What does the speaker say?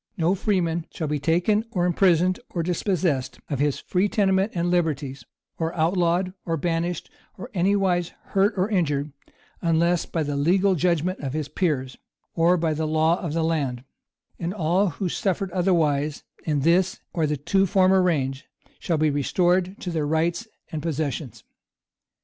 No freeman shall be taken or imprisoned, or dispossessed of his free tenement and liberties, or outlawed, or banished, or anywise hurt or injured, unless by the legal judgment of his peers, or by the law of the land; and all who suffered otherwise in this or the two former reigns, shall be restored to their rights and possessions.